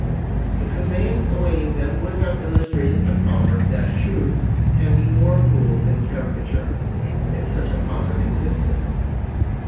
The conveyance awaiting them would have illustrated the proverb that "truth can be more cruel than caricature," if such a proverb existed.